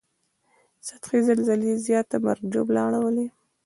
سطحي زلزلې زیاته مرګ ژوبله اړوي